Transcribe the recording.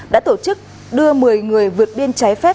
đã tổ chức đưa một mươi người vượt biên trái phép